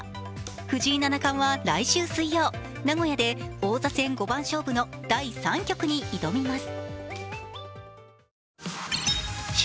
藤井七冠は来週水曜、名古屋で王座戦五番勝負の第３局に挑みます。